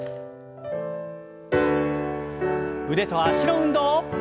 腕と脚の運動。